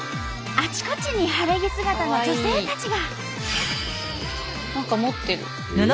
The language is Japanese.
あちこちに晴れ着姿の女性たちが。